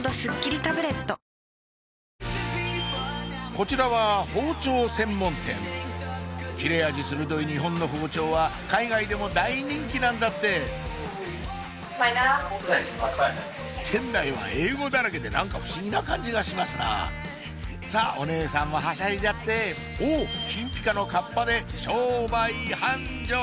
こちらは包丁専門店切れ味鋭い日本の包丁は海外でも大人気なんだって店内は英語だらけで何か不思議な感じがしますなさぁお姉さんもはしゃいじゃっておっ金ピカのかっぱで商売繁盛！